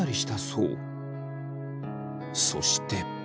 そして。